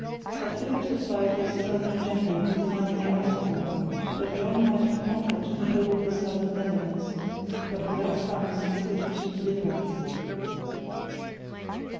Had Philip supplied his governor general with the money he asked for, Don John might now have conquered the whole of the southern Netherlands, but without funds he could achieve little.